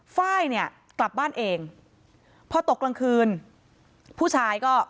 ไฟล์เนี่ยกลับบ้านเองพอตกกลางคืนผู้ชายก็